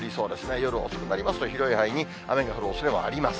夜遅くなりますと、広い範囲に雨が降るおそれもあります。